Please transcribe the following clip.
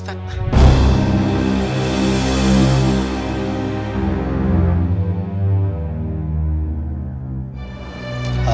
silahkan pak haji